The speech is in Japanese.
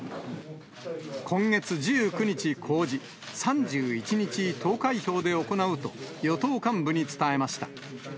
今月１９日公示、３１日投開票で行うと、与党幹部に伝えました。